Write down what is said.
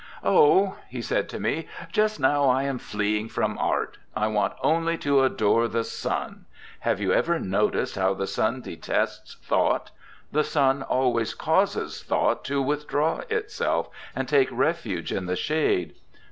'Oh,' he said to me, 'just now I am fleeing from art. I want only to adore the sun. Have you ever noticed how the sun detests thought? The sun always causes thought to withdraw itself and take refuge in the shade.